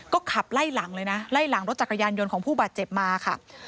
ก็ขับไล่หลังเลยนะไล่หลังรถจักรยานยนต์ของผู้บาดเจ็บมาค่ะ